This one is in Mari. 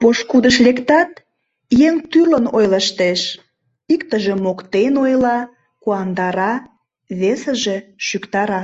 Пошкудыш лектат — еҥ тӱрлын ойлыштеш: иктыже моктен ойла, куандара, весыже шӱктара.